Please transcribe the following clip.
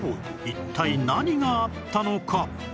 一体何があったのか？